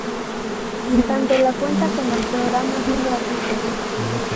Tanto la cuenta como el programa son gratuitos.